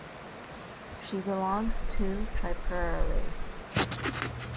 She Belongs to Tripura Race.